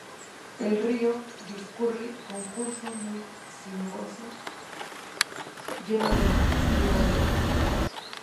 El río discurre con un curso muy sinuoso, lleno de meandros.